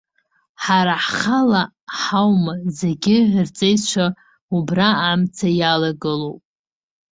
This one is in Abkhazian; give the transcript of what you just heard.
Ҳара ҳхала ҳаума, зегьы рҵеицәа убра амца иалагылоуп.